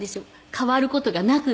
変わる事がなくて。